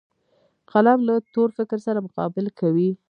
قلم له تور فکر سره مقابل کوي